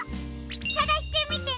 さがしてみてね！